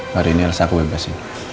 hari ini elsa aku bebasin